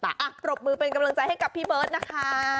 อ่ะปรบมือเป็นกำลังใจให้กับพี่เบิร์ตนะคะ